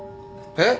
えっ？